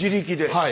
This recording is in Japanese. はい！